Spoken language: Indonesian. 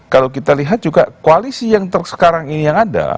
kalau kita lihat juga koalisi yang sekarang ini yang ada